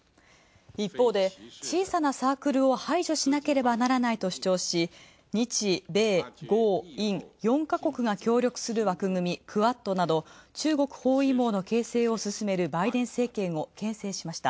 一方で小さなサークルを排除しなければならないと主張し、日米豪印４か国が協力する枠組みクアッドなど、中国包囲網を進めるバイデン政権をけん制しました。